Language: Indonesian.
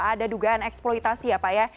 ada dugaan eksploitasi ya pak ya